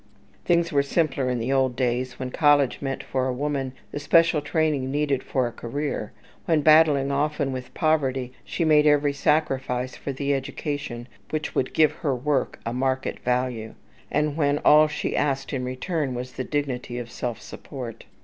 Things were simpler in the old days, when college meant for a woman the special training needed for a career; when, battling often with poverty, she made every sacrifice for the education which would give her work a market value; and when all she asked in return was the dignity of self support.